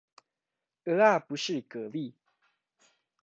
蚵仔不是蛤蠣